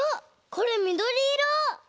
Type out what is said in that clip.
これみどりいろ！